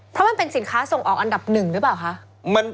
เพราะมันเป็นสินค้าส่งออกอันดับหนึ่งหรือเปล่าคะ